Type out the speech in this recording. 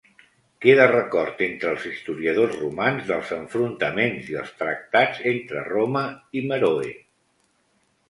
Queda record entre els historiadors romans dels enfrontaments i els tractats entre Roma i Meroe.